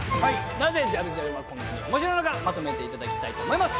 なぜジャルジャルはこんなに面白いのかまとめていただきたいと思います。